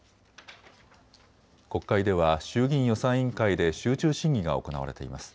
国会では衆議院予算委員会で集中審議が行われています。